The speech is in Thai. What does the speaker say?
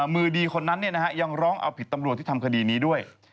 มือดีคนนั้นยังร้องเอาผิดตำรวจที่ทำคดีนี้ด้วย